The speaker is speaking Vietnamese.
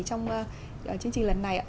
trong chương trình lần này ạ